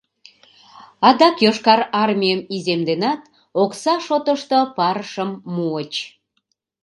Адак Йошкар Армийым иземденат, окса шотышто парышым муыч.